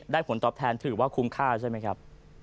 ผลตอบแทนถือว่าคุ้มค่าใช่ไหมครับ